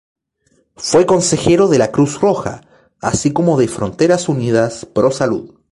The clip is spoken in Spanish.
Fue consejero de la Cruz Roja, así como de Fronteras Unidas Pro Salud.